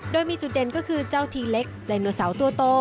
โดยมีจุดเด่นก็คือเจ้าทีเล็กซ์ไดโนเสาร์ตัวโต